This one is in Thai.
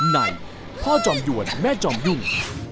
ในพ่อจอมยวนแม่จอมยุ่ง